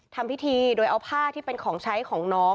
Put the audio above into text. ทำพิธีโดยเอาผ้าที่เป็นของใช้ของน้อง